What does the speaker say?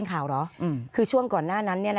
ขอบคุณครับ